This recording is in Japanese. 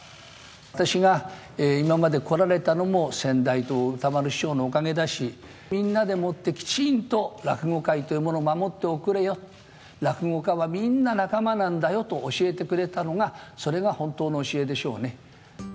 私が今まで来られたのも先代と歌丸師匠のおかげだし、みんなでもってきちんと落語界というものを守っておくれよ、落語家はみんな仲間なんだよと教えてくれたのが、それが本当の教えでしょうね。